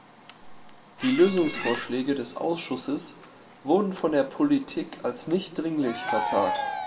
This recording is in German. Die Lösungsvorschläge des Ausschusses wurden von der Politik als nicht dringlich vertagt.